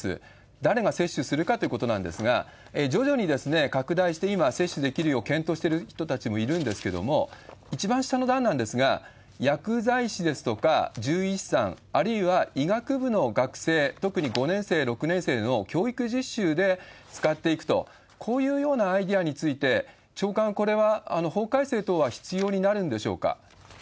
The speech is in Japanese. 誰が摂取するかということなんですが、徐々に拡大して、今、接種できるよう検討してる人たちもいるんですけれども、一番下の段なんですが、薬剤師ですとか獣医師さん、あるいは医学部の学生、特に５年生、６年生の教育実習で使っていくと、こういうようなアイデアについて、長官、これは法改正等は必要になるんでしょうか？